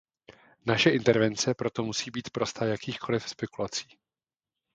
Naše intervence proto musí být prosta jakýchkoliv spekulací.